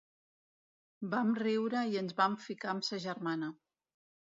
Vam riure i ens vam ficar amb sa germana.